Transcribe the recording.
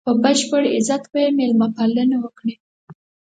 په بشپړ عزت به یې مېلمه پالنه وکړي.